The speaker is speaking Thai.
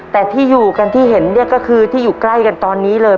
แต่ที่อยู่กันที่เห็นเนี่ยก็คือที่อยู่ใกล้กันตอนนี้เลย